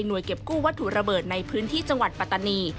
เก็บกู้วัตถุระเบิดในพื้นที่จังหวัดปัตตานี